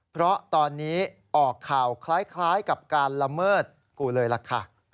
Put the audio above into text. เพราะตอนนี้ออกข่าวคล้ายกับการละเมิดกูเลยล่ะค่ะ